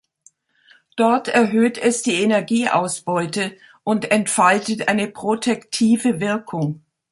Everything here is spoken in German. Dort erhöht es die Energieausbeute und entfaltet eine protektive Wirkung.